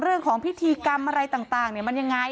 เรื่องของพิธีกรรมอะไรต่างต่างเนี่ยมันยังไง